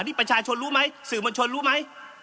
นี่ประชาชนรู้ไหมสื่อมวลชนรู้ไหม